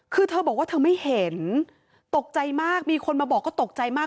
คือเธอบอกว่าเธอไม่เห็นตกใจมากมีคนมาบอกก็ตกใจมาก